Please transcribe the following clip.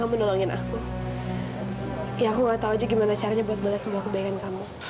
aduh tuhan dikasih dua kekurapku